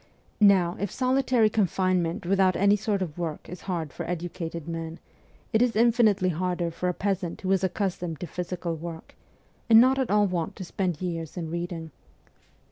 Now, if solitary confinement without any sort of work is hard for educated men, it is infinitely harder for a peasant who is accustomed to physical work, and not at all wont to spend years in reading.